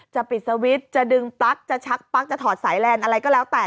ปิดสวิตช์จะดึงปลั๊กจะชักปลั๊กจะถอดสายแลนด์อะไรก็แล้วแต่